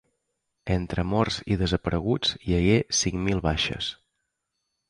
Entre morts i desapareguts, hi hagué cinc mil baixes.